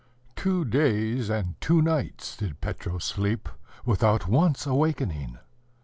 Two days and two nights did Petro sleep, without once awakening.